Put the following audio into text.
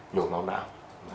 nhồi máu não